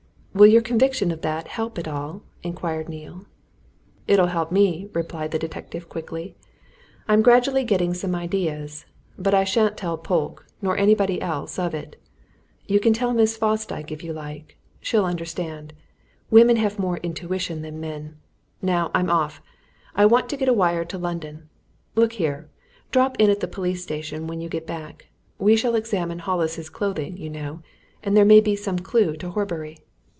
"Will your conviction of that help at all?" inquired Neale. "It'll help me," replied the detective quickly. "I'm gradually getting some ideas. But I shan't tell Polke nor anybody else of it. You can tell Miss Fosdyke if you like she'll understand: women have more intuition than men. Now I'm off I want to get a wire away to London. Look here drop in at the police station when you get back. We shall examine Hollis's clothing, you know there may be some clue to Horbury."